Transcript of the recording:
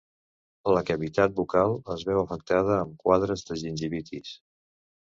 La cavitat bucal es veu afectada amb quadres de gingivitis.